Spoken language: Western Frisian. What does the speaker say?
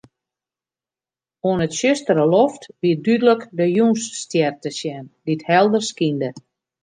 Oan 'e tsjustere loft wie dúdlik de Jûnsstjer te sjen, dy't helder skynde.